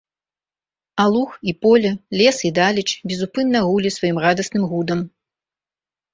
А луг, і поле, лес і далеч безупынна гулі сваім радасным гудам.